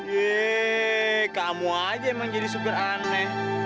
yee kamu aja yang menjadi supir aneh